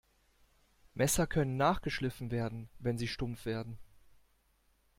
Messer können nachgeschliffen werden, wenn sie stumpf werden.